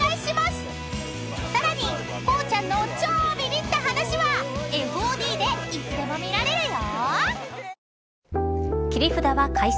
［さらに光ちゃんの超ビビった話はＦＯＤでいつでも見られるよ］